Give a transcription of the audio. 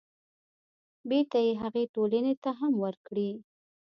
بېرته يې هغې ټولنې ته هم ورکړي.